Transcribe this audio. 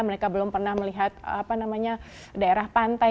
mereka belum pernah melihat daerah pantai